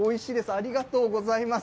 ありがとうございます。